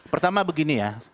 pertama begini ya